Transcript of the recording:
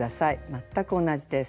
全く同じです。